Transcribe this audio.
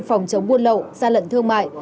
phòng chống buôn lậu gian lận thương mại